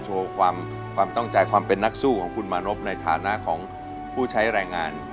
โชว์ความตั้งใจความเป็นนักสู้ของคุณมานพในฐานะของผู้ใช้แรงงาน